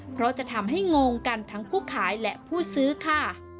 เพราะจะทำให้งงกันทั้งผู้ขายและผู้ซื้อค่ะ